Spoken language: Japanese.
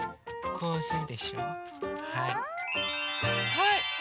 はい。